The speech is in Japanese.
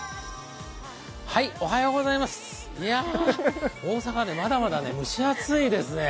いやー、大阪はまだまだ蒸し暑いですね。